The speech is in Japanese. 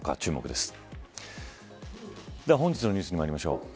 では、本日のニュースにまいりましょう。